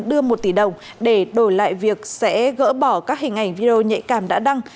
đưa một tỷ đồng để đổi lại việc sẽ gỡ bỏ các hình ảnh video nhạy cảm đã đăng